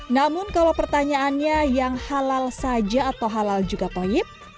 namun kalau pertanyaannya yang halal saja atau halal juga toyib